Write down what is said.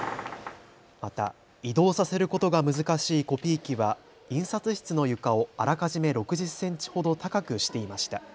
また移動させることが難しいコピー機は印刷室の床をあらかじめ６０センチほど高くしていました。